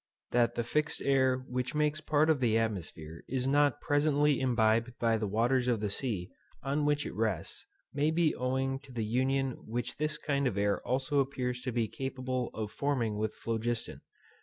That the fixed air which makes part of the atmosphere is not presently imbibed by the waters of the sea, on which it rests, may be owing to the union which this kind of air also appears to be capable of forming with phlogiston.